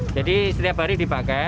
jadi setiap hari dipakai